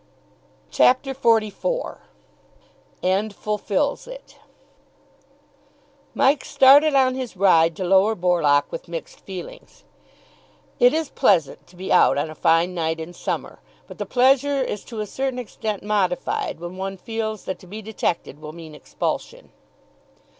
CHAPTER XLIV AND FULFILS IT Mike started on his ride to Lower Borlock with mixed feelings. It is pleasant to be out on a fine night in summer, but the pleasure is to a certain extent modified when one feels that to be detected will mean expulsion.